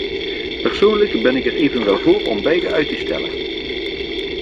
Persoonlijk ben ik er evenwel voor om beide uit te stellen.